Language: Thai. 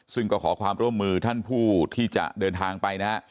ซึ่งก็ขอความร่วมมือท่านผู้ที่จะเดินทางไปนะฮะ